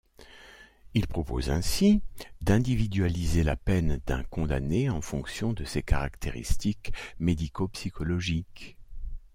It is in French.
Il propose ainsi d'individualiser la peine d'un condamné en fonction de ses caractéristiques médico-psychologiques.